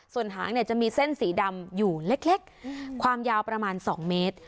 ส่วนหางเนี่ยจะมีเส้นสีดำอยู่เล็กความยาวประมาณ๒เมตร